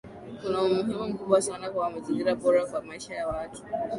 Kuna umuhimu mkubwa sana wa mazingira bora kwa maisha ya watu